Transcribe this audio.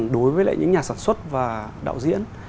đối với lại những nhà sản xuất và đạo diễn